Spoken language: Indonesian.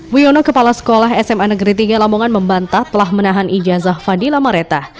wiono kepala sekolah sma negeri tiga lamongan membantah telah menahan ijazah fadila mareta